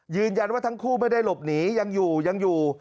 ยืนยันว่าทั้งคู่ไม่ได้หลบหนียังอยู่